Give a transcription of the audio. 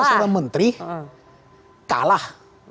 masa seorang menteri kalah